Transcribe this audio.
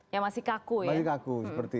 yang masih kaku ya masih kaku seperti